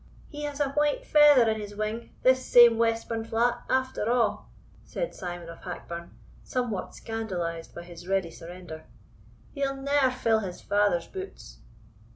"He has a white feather in his wing this same Westburnflat, after a'," said Simon of Hackburn, somewhat scandalized by his ready surrender. "He'll ne'er fill his father's boots."